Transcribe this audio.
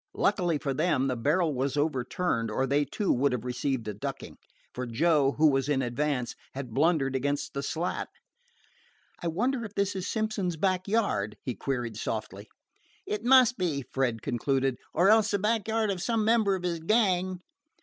Luckily for them, the barrel was overturned, or they too would have received a ducking, for Joe, who was in advance, had blundered against the slat. "I wonder if this is Simpson's back yard?" he queried softly. "It must be," Fred concluded, "or else the back yard of some member of his gang."